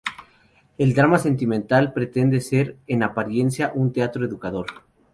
El drama sentimental pretende ser, en apariencia, un teatro educador.